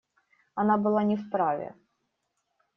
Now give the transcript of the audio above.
Она была не вправе.